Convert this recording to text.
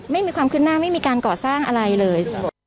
ไม่มีความขึ้นหน้าไม่มีการก่อสร้างอะไรเลย